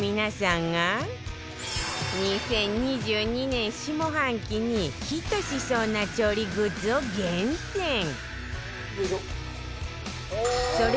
２０２２年下半期にヒットしそうな調理グッズを厳選よいしょ。